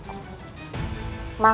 jika kau bersedia ikut denganku